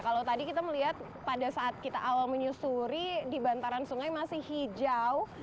kalau tadi kita melihat pada saat kita awal menyusuri di bantaran sungai masih hijau